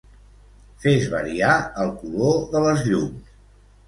Fes variar el color de les llums.